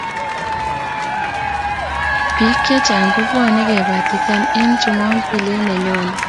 Biik chechang kobwane kebatisan eng jumambili ne nyone